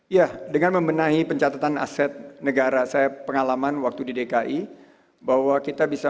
ya dengan membenahi pencatatan aset negara saya pengalaman waktu di dki bahwa kita bisa